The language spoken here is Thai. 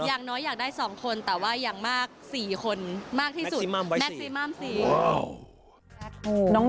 อย่างน้อยอยากได้๒คนแต่ว่ายังมาก๔คน